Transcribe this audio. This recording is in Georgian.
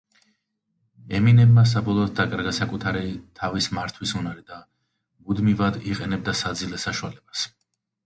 ემინემმა საბოლოოდ დაკარგა საკუთარი თავის მართვის უნარი და მუდმივად იყენებდა საძილე საშუალებას.